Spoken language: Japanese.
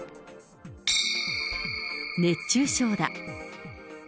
熱中症だ。